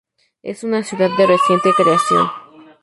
Es una ciudad de reciente creación.